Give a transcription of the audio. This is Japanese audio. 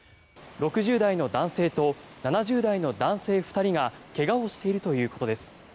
６０代の男性と７０代の男性２人が怪我をしているということです。